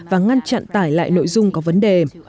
và ngăn chặn tải lại nội dung có vấn đề